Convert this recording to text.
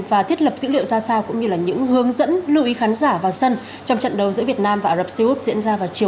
vì sao lại như vậy